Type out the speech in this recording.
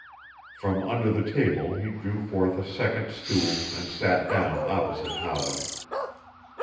From under the table he drew forth a second stool and sat down opposite Howland.